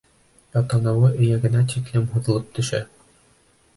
Ә танауы эйәгенә тиклем һуҙылып төшә.